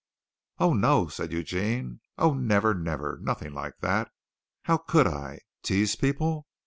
"Oh, no!" said Eugene. "Oh, never, never! Nothing like that. How could I? Tease people!